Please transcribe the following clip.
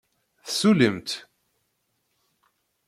Tessullimt?